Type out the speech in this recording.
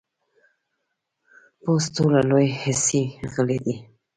پوست ټولو لوی حسي غړی دی.